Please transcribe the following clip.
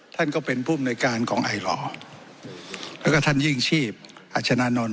ท่านก็เป็นผู้มนุยการของไอหล่อแล้วก็ท่านยิ่งชีพอัชนานนท์